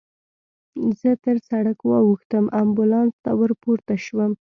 زه تر سړک واوښتم، امبولانس ته ورپورته شوم.